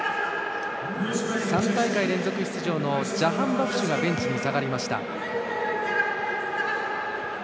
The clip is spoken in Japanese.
３大会連続出場のジャハンバフシュがベンチに下がりました。